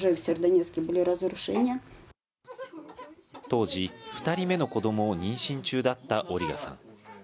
当時、２人目の子どもを妊娠中だったオリガさん。